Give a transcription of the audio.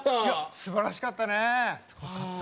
すばらしかったね！